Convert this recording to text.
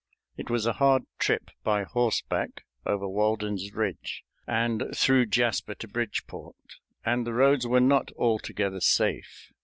It was a hard trip by horseback over Walden's Ridge and through Jasper to Bridgeport, and the roads were not altogether safe.